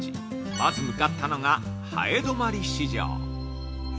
まず向かったのが南風泊市場。